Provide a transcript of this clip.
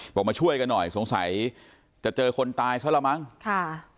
บอกมาช่วยกันหน่อยสงสัยจะเจอคนตายซะละมั้งค่ะ